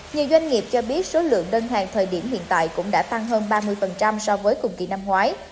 nhiều doanh nghiệp cho biết số lượng đơn hàng thời điểm hiện tại cũng đã tăng hơn ba mươi so với cùng kỳ năm ngoái